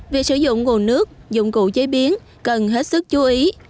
việc sử dụng nguồn nước dụng cụ chế biến cần hết sức chú ý